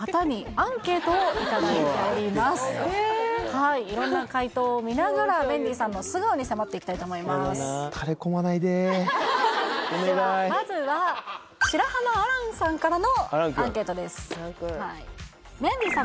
はい色んな回答を見ながらメンディーさんの素顔に迫っていきたいと思いますではまずは白濱亜嵐さんからのアンケートです